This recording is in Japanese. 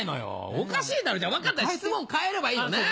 おかしいだろうじゃあ分かった質問変えればいいのね。